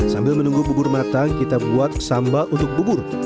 sambil menunggu bubur matang kita buat sambal untuk bubur